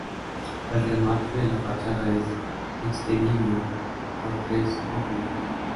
El remate de la fachada es mixtilíneo con tres óculos.